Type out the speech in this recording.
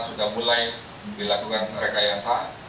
yang mulai dilakukan rekayasa